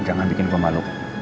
jangan bikin gue malu